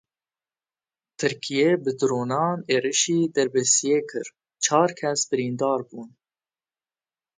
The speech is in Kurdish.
Tirkiyeyê bi dronan êrişî Dirbêsiyê kir, çar kes birîndar bûn.